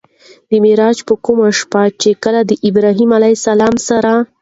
د معراج په کومه شپه چې کله د ابراهيم عليه السلام سره